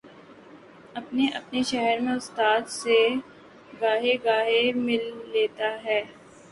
اپنے اپنے شہر میں استاد سے گاہے گاہے مل لیتا ہے۔